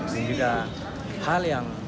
dan juga hal yang